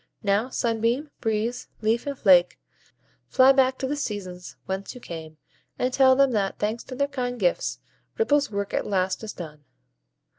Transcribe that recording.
Now Sunbeam, Breeze, Leaf, and Flake, fly back to the Seasons whence you came, and tell them that, thanks to their kind gifts, Ripple's work at last is done."